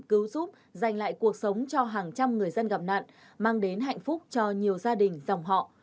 cứu giúp giành lại cuộc sống cho hàng trăm người dân gặp nạn mang đến hạnh phúc cho nhiều gia đình dòng họ